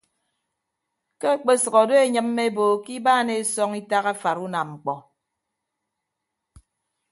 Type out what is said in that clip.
Ke ekpesʌk odo eenyịmme ebo ke ibaan esọñ itak afara unamñkpọ.